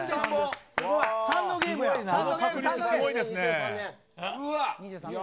この確率、すごいですね。